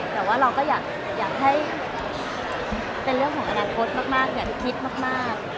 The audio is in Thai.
แต่ว่าเราก็อยากให้เป็นเรื่องของอนาคตมากอยากคิดมาก